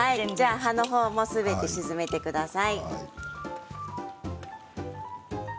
葉の方もすべて沈めてください。